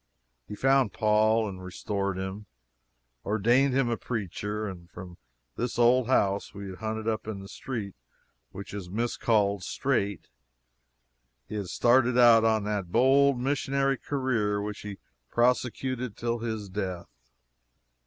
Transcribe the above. He found Paul and restored him, and ordained him a preacher; and from this old house we had hunted up in the street which is miscalled Straight, he had started out on that bold missionary career which he prosecuted till his death.